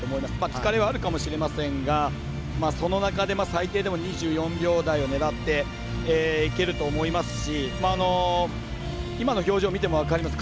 疲れはあるかもしれませんがその中で、最低でも２４秒台を狙っていけると思いますし今の表情を見ても分かります。